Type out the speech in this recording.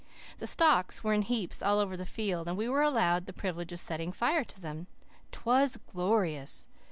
The stalks were in heaps all over the field, and we were allowed the privilege of setting fire to them. 'Twas glorious!